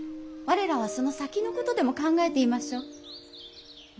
我らはその先のことでも考えていましょう。